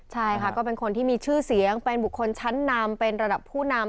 ใช่ค่ะก็เป็นคนที่มีชื่อเสียงเป็นบุคคลชั้นนำเป็นระดับผู้นำ